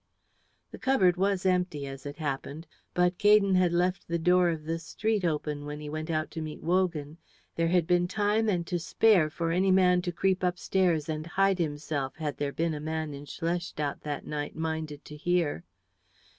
The cupboard was empty, as it happened. But Gaydon had left the door of the street open when he went out to meet Wogan; there had been time and to spare for any man to creep upstairs and hide himself had there been a man in Schlestadt that night minded to hear.